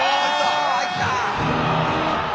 お入った！